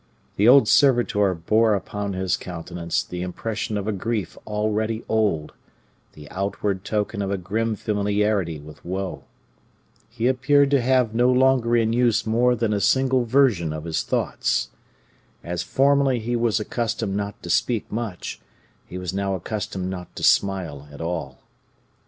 The old servitor bore upon his countenance the impression of a grief already old, the outward token of a grim familiarity with woe. He appeared to have no longer in use more than a single version of his thoughts. As formerly he was accustomed not to speak much, he was now accustomed not to smile at all.